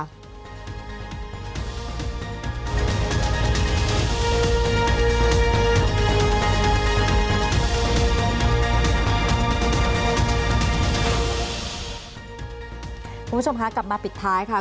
คุณผู้ชมคะกลับมาปิดท้ายค่ะ